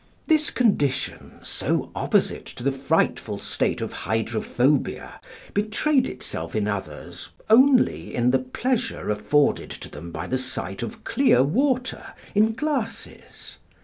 This condition, so opposite to the frightful state of hydrophobia, betrayed itself in others only in the pleasure afforded them by the sight of clear water in glasses.